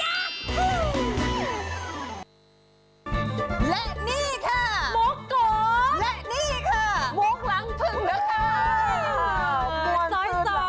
และนี่ค่ะมุกก๋อและนี่ค่ะมุกรังถึงนะคะ